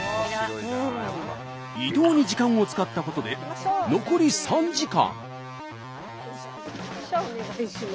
移動に時間を使ったことで残り３時間。